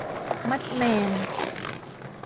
มัดแมน